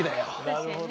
なるほど。